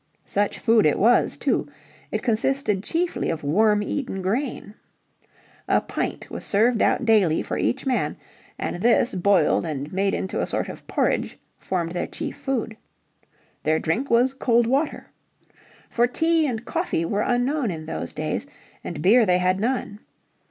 Such food it was too! It consisted chiefly of worm eaten grain. A pint was served out daily for each man, and this boiled and made into a sort of porridge formed their chief food. Their drink was cold water. For tea and coffee were unknown in those days, and beer they had none.